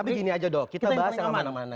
tapi gini aja dong kita bahas yang aman